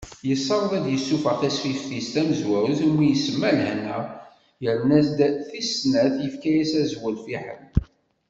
Yessaweḍ ad d-yessufeɣ tasfift-is tamezwarut, iwumi isemma Lehna, yerna-d tis snat, yefka-as azwel Fiḥel.